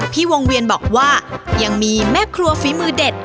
พี่วงเวียนบอกว่ายังมีแม่ครัวฝีมือเด็ด